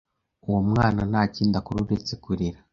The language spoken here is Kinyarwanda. Uwo mwana ntakindi akora uretse kurira.